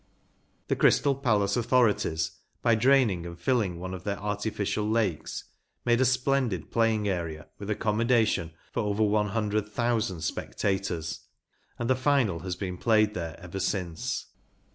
The Crystal Palace authorities, by draining and filling one of their artificial lakes, made a splendid playing area with accommodation for over one hundred thousand spectators, and the final has been played there ever since.